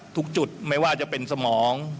ทุกจุดไม่ว่าจะเป็นสมอง